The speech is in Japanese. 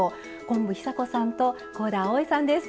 昆布尚子さんと香田あおいさんです。